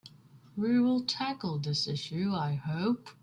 We will tackle this issue, I hope.